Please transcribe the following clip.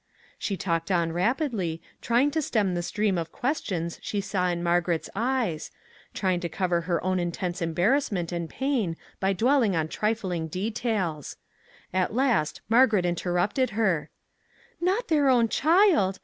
She talked on rapidly, trying to stem the stream of questions she saw in Margaret's eyes, trying to cover her own intense embarrassment and pain by dwelling on trifling details. At last Margaret interrupted her " Not their own child!